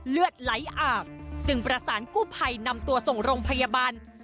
เลือดไหลอาบจึงประสานกู้ภัยนำตัวส่งโรงพยาบาล